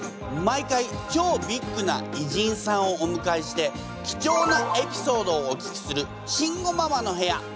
毎回超ビッグな偉人さんをおむかえして貴重なエピソードをお聞きする慎吾ママの部屋。